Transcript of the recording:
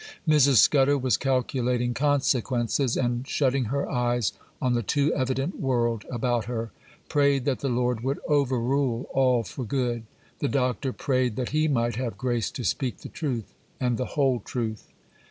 Mrs. Scudder was calculating consequences, and, shutting her eyes on the too evident world about her, prayed that the Lord would overrule all for good: the Doctor prayed that he might have grace to speak the truth, and the whole truth.